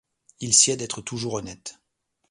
Il sied d’être toujours honnêtes